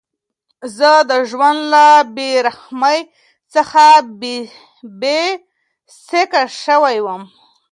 زه د ژوند له بېرحمۍ څخه بېسېکه شوی وم.